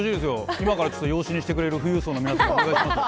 今から養子にしてくれる富裕層の皆さん探してます。